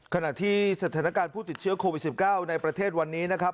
ขณะที่สถานการณ์ผู้ติดเชื้อโควิด๑๙ในประเทศวันนี้นะครับ